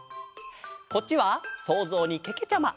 こっちはそうぞうにけけちゃま。